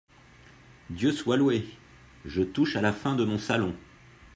Dieu soit loué ! je touche à la fin de mon Salon.